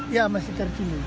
iya masih cari sini